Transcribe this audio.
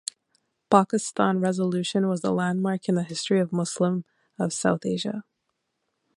Pakistan resolution was the landmark in the history of Muslim of South-Asia.